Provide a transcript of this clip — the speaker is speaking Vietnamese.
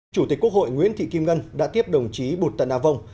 chủ tịch quốc hội nguyễn thị kim ngân đã tiếp đồng chí bút tận a vong